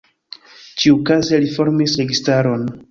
Ĉiukaze li formis registaron.